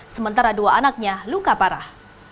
sementara dua anaknya luka parah